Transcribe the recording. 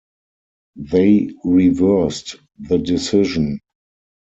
They reversed the decision!